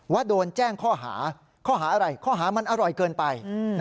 ว่าโดนแจ้งข้อหาข้อหาอะไรข้อหามันอร่อยเกินไป